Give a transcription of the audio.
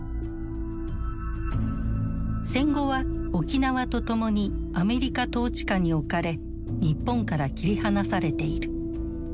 戦後は沖縄とともにアメリカ統治下に置かれ日本から切り離されている。